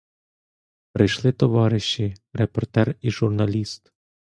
Прийшли товариші: репортер і журналіст.